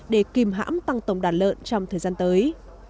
để kìm hãm tăng tổng đàn lợn trong thời gian tới